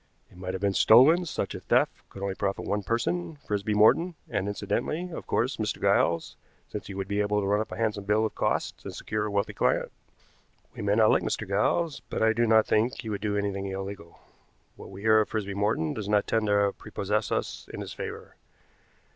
"It might have been stolen. Such a theft could only profit one person Frisby Morton, and incidentally, of course, Mr. Giles, since he would be able to run up a handsome bill of costs and secure a wealthy client. We may not like Mr. Giles, but I do not think he would do anything illegal. What we hear of Frisby Morton does not tend to prepossess us in his favor.